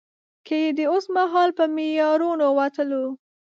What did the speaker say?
که يې د اوسمهال په معیارونو وتلو.